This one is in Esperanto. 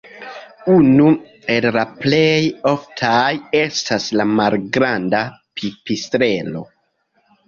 Unu el la plej oftaj estas la malgranda Pipistrelo.